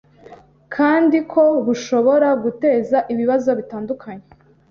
kandi ko bushobora guteza ibibazo bitandukanye